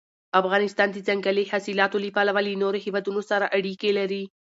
افغانستان د ځنګلي حاصلاتو له پلوه له نورو هېوادونو سره اړیکې لري.